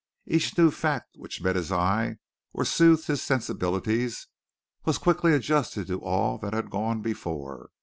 Each new fact which met his eye or soothed his sensibilities was quickly adjusted to all that had gone before.